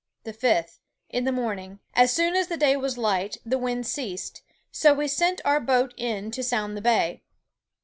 "The fifth, in the morning, as soone as the day was light, the wind ceased; so we sent our boate in to sound the bay.